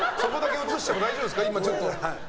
そこだけ映しても大丈夫ですか。